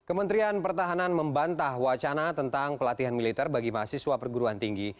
kementerian pertahanan membantah wacana tentang pelatihan militer bagi mahasiswa perguruan tinggi